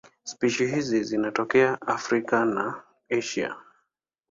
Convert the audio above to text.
Spishi hizi zinatokea Afrika na Asia.